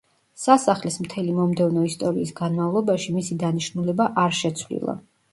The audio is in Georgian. სასახლის მთელი მომდევნო ისტორიის განმავლობაში მისი დანიშნულება არ შეცვლილა.